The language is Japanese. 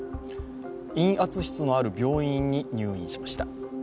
陰圧室のある病院に入院しました。